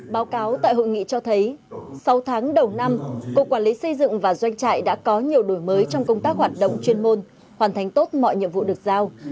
báo cáo tại hội nghị cho thấy sau tháng đầu năm cục quản lý xây dựng và doanh trại đã có nhiều đổi mới trong công tác hoạt động chuyên môn hoàn thành tốt mọi nhiệm vụ được giao